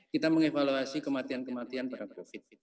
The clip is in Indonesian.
kita mengevaluasi kematian kematian para profit